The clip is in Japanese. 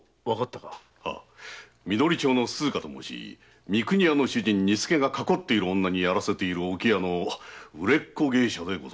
緑町の鈴華と申し三国屋の主人が囲っている女にやらせている置き屋の売れっ子芸者です。